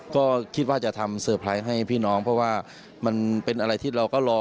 ก็คิดว่าจะทำเซอร์ไพรส์ให้พี่น้องเพราะว่ามันเป็นอะไรที่เราก็รอ